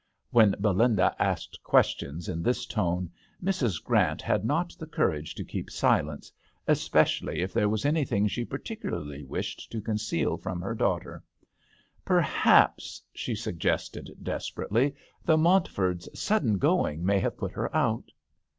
When Belinda asked questions in this tone Mrs. Grant had not the courage to keep silence, es pecially if there was anything she particularly wished to conceal from her daughter. 56 THE h6tbl d'angleterrb. " Perhaps," she suggested, des perately, " the Montford's sudden going may have put her out."